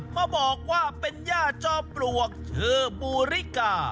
มาบอกว่าเป็นย่าจอมปลวกชื่อบูริกา